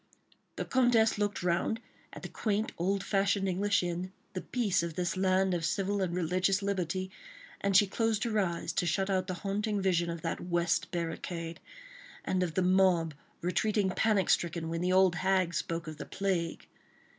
The Comtesse looked round at the quaint, old fashioned English inn, the peace of this land of civil and religious liberty, and she closed her eyes to shut out the haunting vision of that West Barricade, and of the mob retreating panic stricken when the old hag spoke of the plague.